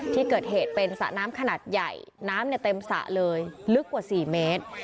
ที่เกิดเหตุเป็นสระน้ำขนาดใหญ่น้ำเต็มสระเลยลึกกว่า๔เมตร